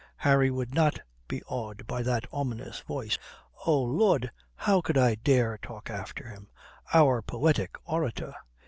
Harry would not be awed by that ominous voice. "Oh Lud, how could I dare talk after him? Our poetic orator!"